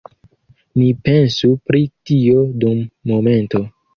Ni pensu pri tio dum momento.